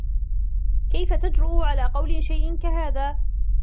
كيف تجرء على قول شيءٍ كهذا؟